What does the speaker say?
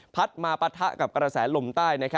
พัดมาปะทะกับกรษะโลมใต้